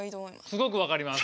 すごくわかります。